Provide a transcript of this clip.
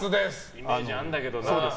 イメージあるんだけどな。